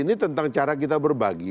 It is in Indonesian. ini tentang cara kita berbagi